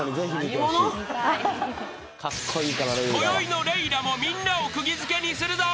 ［こよいのレイラもみんなを釘付けにするぞ］